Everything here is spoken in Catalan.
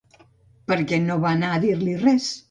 Per què no va anar a dir-li res?